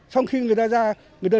xong khi người ta ra người ta